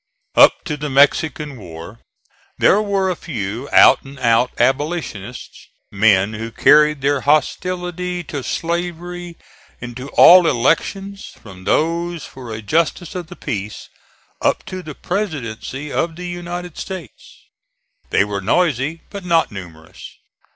Up to the Mexican war there were a few out and out abolitionists, men who carried their hostility to slavery into all elections, from those for a justice of the peace up to the Presidency of the United States. They were noisy but not numerous.